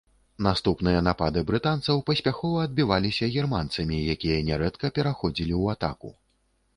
Наступныя напады брытанцаў паспяхова адбіваліся германцамі, якія нярэдка пераходзілі ў атаку.